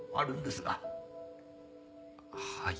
はい。